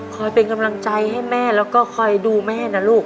เป็นกำลังใจให้แม่แล้วก็คอยดูแม่นะลูก